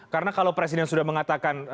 karena kalau presiden sudah mengatakan